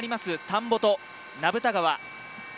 田んぼと名蓋川。